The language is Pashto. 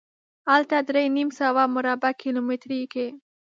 هلته درې نیم سوه مربع کیلومترۍ کې.